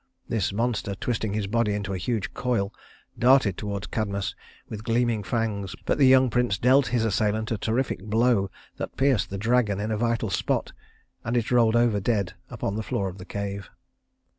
This monster, twisting his body into a huge coil, darted toward Cadmus with gleaming fangs; but the young prince dealt his assailant a terrific blow that pierced the dragon in a vital spot, and it rolled over dead upon the floor of the cave.